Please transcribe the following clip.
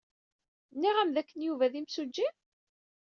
Nniɣ-am dakken Yuba d imsujji?